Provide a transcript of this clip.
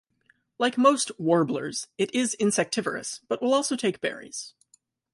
Like most "warblers", it is insectivorous, but will also take berries.